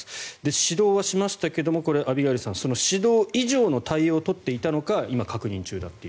指導はしましたけどアビガイルさん指導以上の対応を取っていたのか確認中だという。